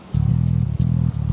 gak usah bawa masuk ke stabilisator